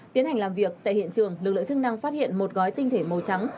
tiến hành làm việc tại hiện trường lực lượng chức năng phát hiện một gói tinh thể màu trắng